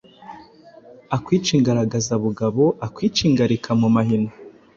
Akwice Ingaragazabugabo akwice Ingarika mu mahina